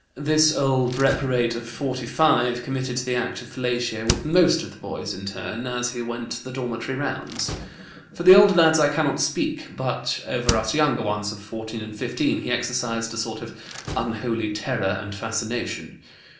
This old reprobate of 45 committed the act of fellatio with most of the boys in turn as he went the dormitory rounds. For the older lads I cannot speak, but over us younger ones of 14 and 15 he exercised a sort of unholy terror and fascination.